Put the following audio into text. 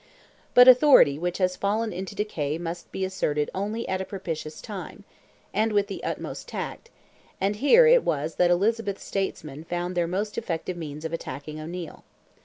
But authority which has fallen into decay must be asserted only at a propitious time, and with the utmost tact; and here it was that Elizabeth's statesmen found their most effective means of attacking O'Neil.